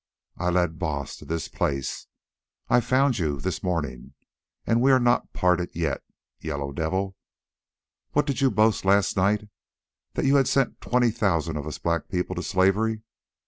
I led Baas to this place. I found you this morning, and we are not parted yet, Yellow Devil. What did you boast last night—that you had sent twenty thousand of us black people to slavery?